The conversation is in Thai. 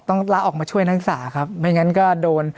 ต้องลาออกมาช่วยนักศึกษาครับไม่งั้นก็โดน